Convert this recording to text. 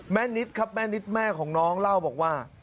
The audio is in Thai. นิดครับแม่นิดแม่ของน้องเล่าบอกว่า